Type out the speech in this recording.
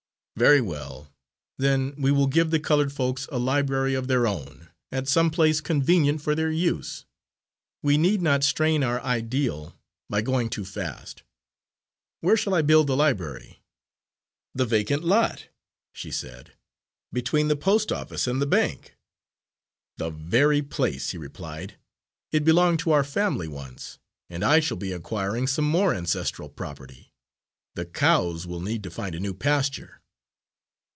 "Very well, then we will give the coloured folks a library of their own, at some place convenient for their use. We need not strain our ideal by going too fast. Where shall I build the library?" "The vacant lot," she said, "between the post office and the bank." "The very place," he replied. "It belonged to our family once, and I shall be acquiring some more ancestral property. The cows will need to find a new pasture."